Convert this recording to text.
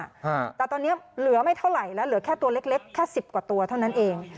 อ่าแต่ตอนเนี้ยเหลือไม่เท่าไหร่แล้วเหลือแค่ตัวเล็กเล็กแค่สิบกว่าตัวเท่านั้นเอง